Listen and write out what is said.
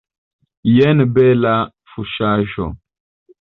Jen bela fuŝaĵo!